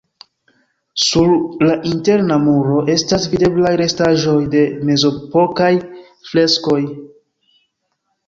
Sur la interna muro estas videblaj restaĵoj de mezepokaj freskoj.